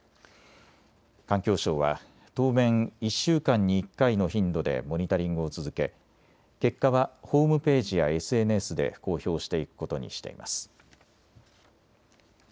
環境省は当面、１週間に１回の頻度でモニタリングを続け結果はホームページやＳＮＳで公表していくことにしています。